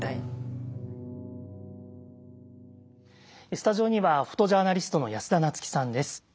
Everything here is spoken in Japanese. スタジオにはフォトジャーナリストの安田菜津紀さんです。